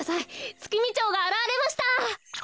ツキミチョウがあらわれました。